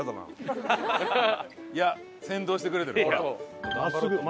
いや先導してくれてる。